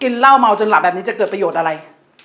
เหล้าเมาจนหลับแบบนี้จะเกิดประโยชน์อะไร